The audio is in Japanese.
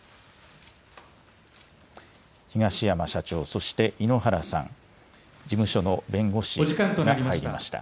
東山社長、そして、井ノ原さん、事務所の弁護士が入りました。